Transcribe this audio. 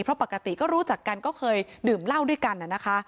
เพราะปกติก็รู้จักกันก็เคยดื่มเหล้าด้วยกันนะคะ